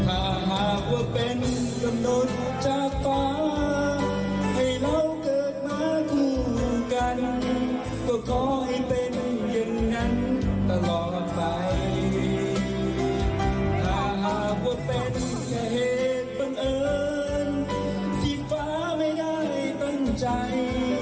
อ่าอ่าพวกเป็นแค่เหตุปังเอิญที่ฟ้าไม่ได้ตั้งใจ